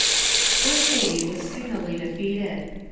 Poor Thady was signally defeated.